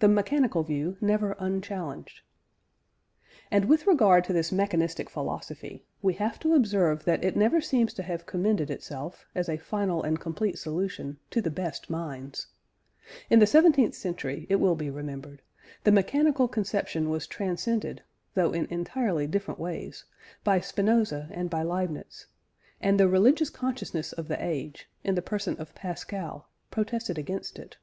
THE "MECHANICAL VIEW" NEVER UNCHALLENGED. And with regard to this mechanistic philosophy, we have to observe that it never seems to have commended itself, as a final and complete solution, to the best minds. In the seventeenth century, it will be remembered, the mechanical conception was transcended (though in entirely different ways) by Spinoza and by Leibniz, and the religious consciousness of the age, in the person of Pascal, protested against it.